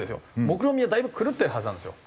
もくろみはだいぶ狂ってるはずなんですよ